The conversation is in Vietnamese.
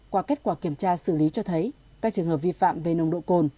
qua kết quả kiểm tra xử lý cho thấy các trường hợp vi phạm về nồng độ cồn